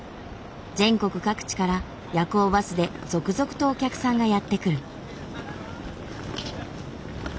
全国各地から夜行バスで続々とお客さんがやって来る。